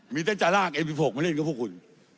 มีแต่จะลากเอ็มสิบหกมาเล่นกับพวกคุณ